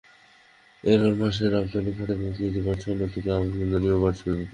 এর কারণ বাংলাদেশের রপ্তানি খাতের প্রবৃদ্ধি বাড়ছে, অন্যদিকে আমদানিও বাড়ছে দ্রুত।